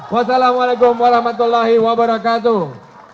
wassalamualaikum warahmatullahi wabarakatuh